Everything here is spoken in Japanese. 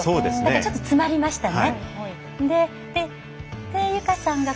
ちょっとつまりましたね。